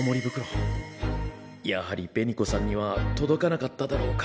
やはり紅子さんには届かなかっただろうか。